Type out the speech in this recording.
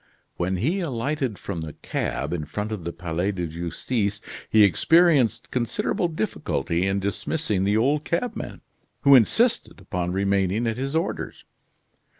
When he alighted from the cab in front of the Palais de Justice, he experienced considerable difficulty in dismissing the old cabman, who insisted upon remaining at his orders.